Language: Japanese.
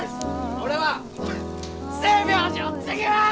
俺は星明寺を継ぎます！